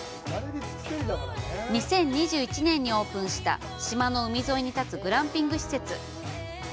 ２０２１年にオープンした島の海沿いに建つグランピング施設。